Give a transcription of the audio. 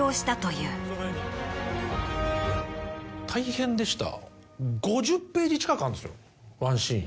大変でした。